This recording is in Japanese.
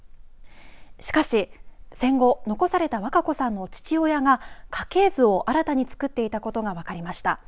しかし戦後、残されたわか子さんの父親が家系図を新たに作っていたことが分かりました。